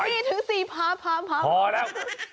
นี่ถึงสี่ผาพอแล้ว